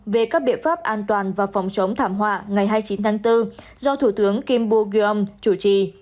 về các biện pháp an toàn và phòng chống thảm họa ngày hai mươi chín tháng bốn do thủ tướng kim bù kiều âm chủ trì